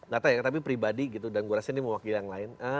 gak tau ya tapi pribadi gitu dan gue rasanya ini mewakili yang lain